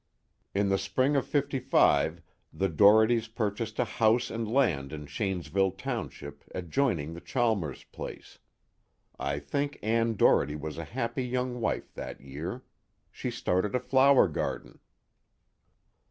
In the spring of '55 the Dohertys purchased a house and land in Shanesville township adjoining the Chalmers place. I think Ann Doherty was a happy young wife that year. She started a flower garden."